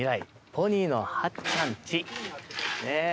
ポニーのはっちゃん家」ねえ。